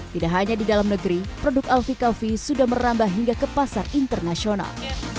tidak hanya di dalam negeri produk alfie coffee sudah merambah hingga ke pasar internasional